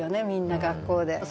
みんな学校で。